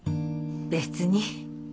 別に。